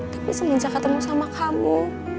tapi semenjak ketemu sama kamu